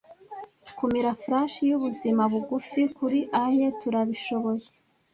Kumira flash yubuzima bugufi kuri aye, turabishoboye